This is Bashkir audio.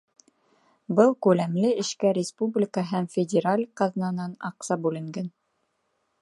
Был күләмле эшкә республика һәм федераль ҡаҙнанан аҡса бүленгән.